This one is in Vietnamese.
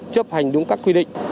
chấp hành đúng các quy định